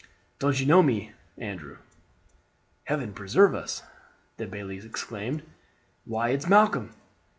"Don't you know me, Andrew?" "Heaven preserve us," the bailie exclaimed, "why it's Malcolm!"